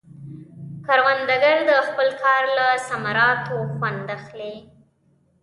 کروندګر د خپل کار له ثمراتو خوند اخلي